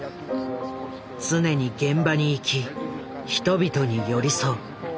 常に現場に行き人々に寄り添う。